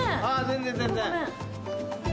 全然全然。